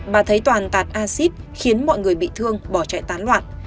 bà thấy toàn tạt acid khiến mọi người bị thương bỏ chạy tán loạn